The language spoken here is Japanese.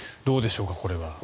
どうでしょうか、これは。